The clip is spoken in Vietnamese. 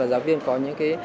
giáo viên có những cái